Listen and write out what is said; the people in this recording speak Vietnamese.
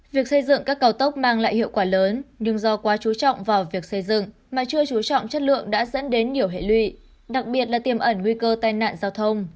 việc xây dựng các cao tốc mang lại hiệu quả lớn nhưng do quá chú trọng vào việc xây dựng mà chưa chú trọng chất lượng đã dẫn đến nhiều hệ lụy đặc biệt là tiềm ẩn nguy cơ tai nạn giao thông